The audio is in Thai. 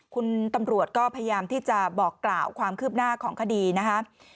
คุณตำรวจก็พยายามที่จะบอกกล่าวความคืบหน้าของคดีนะครับ